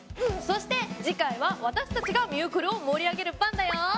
そして次回は私たちが「ミュークル」を盛り上げる番だよ。